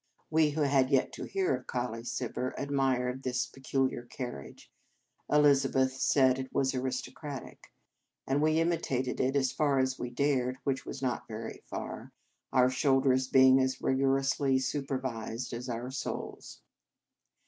We, who had yet to hear of Colley Gibber, admired this peculiar carriage, Elizabeth said it was aristocratic, and we imitated it as far as we dared, which was not very far, our shoulders being as rigorously supervised as our souls.